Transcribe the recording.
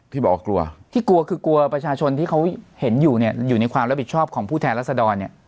ที่บอกว่ากลัวที่กลัวคือกลัวประชาชนที่เขาเห็นอยู่เนี่ยอยู่ในความรับผิดชอบของผู้แทนรัศดรเนี่ย